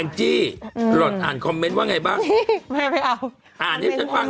เอนจี้หล่ออ่านคอมเม้นต์ว่าอย่างไงบ้าง